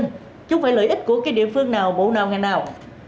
chứ không phải lợi ích của cái địa phương nào bộ nào ngành nào